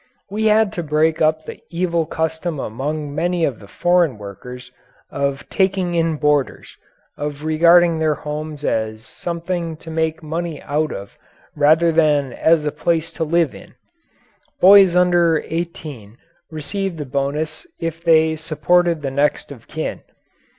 We had to break up the evil custom among many of the foreign workers of taking in boarders of regarding their homes as something to make money out of rather than as a place to live in. Boys under eighteen received a bonus if they supported the next of kin.